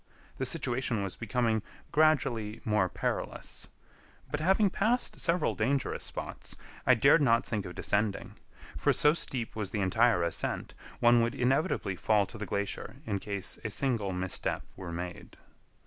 The situation was becoming gradually more perilous; but, having passed several dangerous spots, I dared not think of descending; for, so steep was the entire ascent, one would inevitably fall to the glacier in case a single misstep were made.